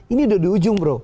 ini udah di ujung bro